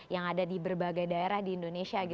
yang ada di berbagai daerah di indonesia